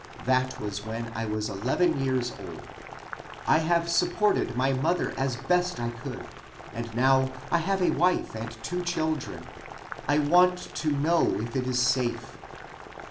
That was when I was eleven years old. I have supported my mother as best I could, and now I have a wife and two children. I want to know if it is safe."